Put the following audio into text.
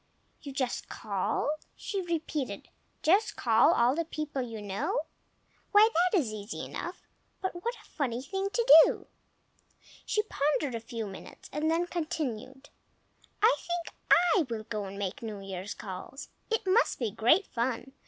"You just call!" she repeated. "Just call all the people you know. Why, that is easy enough, but what a funny thing to do!" She pondered a few minutes and then continued, "I think I will go and make New Year's calls. It must be great fun!